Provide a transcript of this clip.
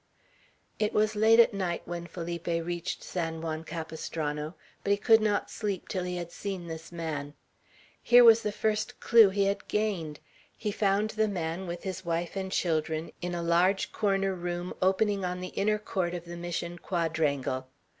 It was late at night when Felipe reached San Juan Capistrano; but he could not sleep till he had seen this man. Here was the first clew he had gained. He found the man, with his wife and children, in a large corner room opening on the inner court of the Mission quadrangle.